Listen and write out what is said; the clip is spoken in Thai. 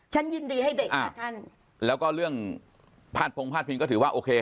ฉันยินดีให้เด็กค่ะท่านแล้วก็เรื่องพาดพงพาดพิงก็ถือว่าโอเค